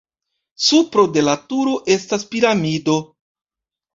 Supro de la turo estas piramido.